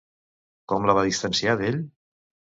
Com la va distanciar d'ell?